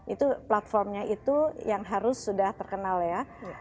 itu platformnya itu yang harus sudah terkenal ya